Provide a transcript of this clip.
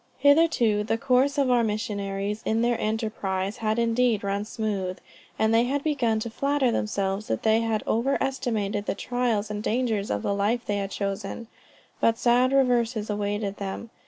Hitherto the course of our missionaries in their enterprise had indeed run smooth, and they had begun to flatter themselves that they had over estimated the trials and dangers of the life they had chosen; but sad reverses awaited them.